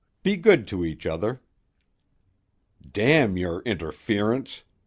Be good to each other." "Damn your interference!"